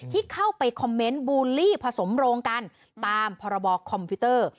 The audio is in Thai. ที่เข้าไปคอมเมนต์บูลลี่ผสมโรงกันตามพรบคอมพิวเตอร์